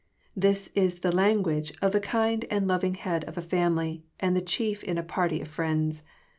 '] This is the language of the kind and loving head of a family, and the chief in a party of friends.